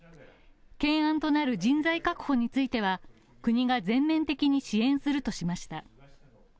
懸案となる人材確保については、国が全面的に支援するとしました。